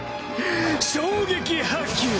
衝撃波球！